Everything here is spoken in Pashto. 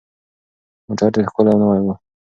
موټر ډېر ښکلی او نوی و.